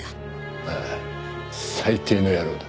ああ最低の野郎だ。